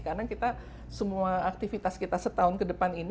karena kita semua aktivitas kita setahun ke depan ini